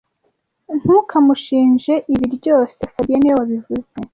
Ntukamushinje ibi ryose fabien niwe wabivuze